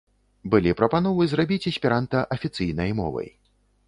Былі прапановы зрабіць эсперанта афіцыйнай мовай.